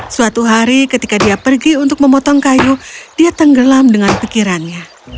suatu hari ketika dia pergi untuk memotong kayu dia tenggelam dengan pikirannya